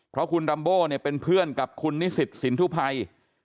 เพราะว่าคุณลัมโบเป็นเพื่อนกับคุณนิสิตศรีภรรย์